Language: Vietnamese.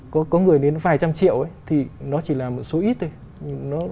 có người đến vài trăm triệu thì nó chỉ là một số ít thôi